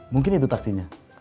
mungkin itu taksinya